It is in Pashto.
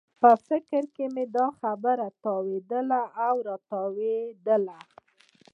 په فکر کې مې دا خبره تاوېدله او راتاوېدله.